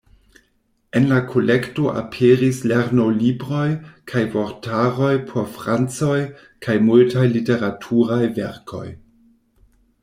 En la kolekto aperis lernolibroj kaj vortaroj por francoj kaj multaj literaturaj verkoj.